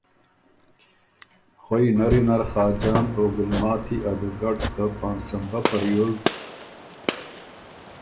خوئ نری نر خاجان او ګلماتی ا دوګډ ته پانسمبۀ په ریوز